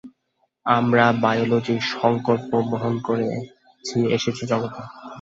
আমরা বায়োলজির সংকল্প বহন করে এসেছি জগতে।